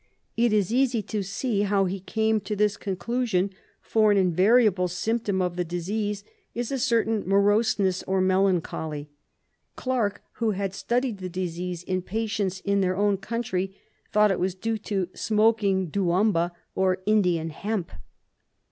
It is easy to see how he came to this conclusion, for an invariable symptom of the disease is a certain moroseness or melancholy. Clarke, who had studied the disease in patients in their own country, thought it was due there "to smoking diumba, or Indian hemp."